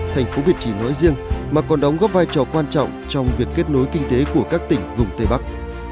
thành phố việt trì nói riêng mà còn đóng góp vai trò quan trọng trong việc kết nối kinh tế của các tỉnh vùng tây bắc